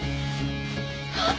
あっ！